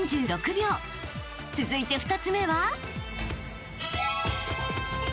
［続いて２つ目は］